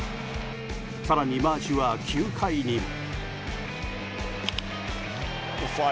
更に、マーシュは９回にも。